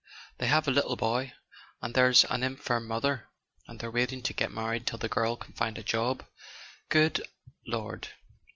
They have a little boy, and there's an infirm mother, and they're waiting to get married till the girl can find a job." "Good Lord!"